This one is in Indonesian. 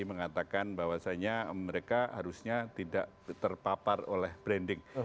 mengatakan bahwasanya mereka harusnya tidak terpapar oleh branding